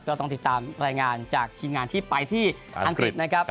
ก็ต้องติดตามรายงานจากทีมงานที่ไปที่อังกฤษนะครับ